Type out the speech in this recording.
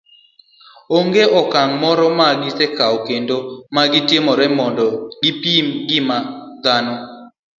Ong'e okang' moro magi sekawo kendo magi timre kendo gi pimo ngima dhano.